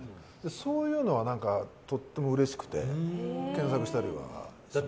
そういうのは、とてもうれしくて検索したりはしますね。